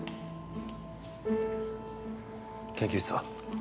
研究室は？